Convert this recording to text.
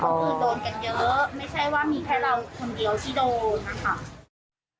ก็คือโดนกันเยอะไม่ใช่ว่ามีแค่เราคนเดียวที่โดนนะคะ